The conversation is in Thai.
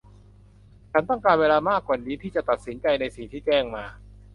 ฉันต้องการเวลามากกว่านี้ที่จะตัดสินใจในสิ่งที่แจ้งมา